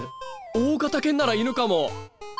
大型犬なら犬かも。